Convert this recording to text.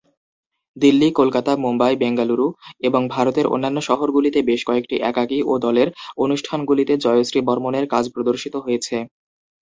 দিল্লি, কলকাতা, মুম্বাই, বেঙ্গালুরু এবং ভারতের অন্যান্য শহরগুলিতে বেশ কয়েকটি একাকী ও দলের অনুষ্ঠানগুলিতে জয়শ্রী বর্মণের কাজ প্রদর্শিত হয়েছে।